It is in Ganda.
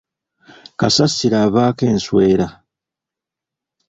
Kasasiro avaako enswera.